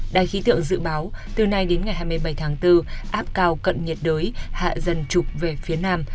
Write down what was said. đài khí tượng dự báo từ nay đến ngày hai mươi bảy tháng bốn áp cao cận nhiệt đới hạ dần trục về phía nam